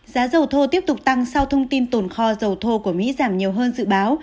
giá dầu thô tiếp tục tăng sau thông tin tồn kho dầu thô của mỹ giảm nhiều hơn dự báo